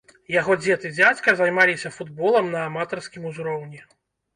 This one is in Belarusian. Яго дзед і дзядзька займаліся футболам на аматарскім узроўні.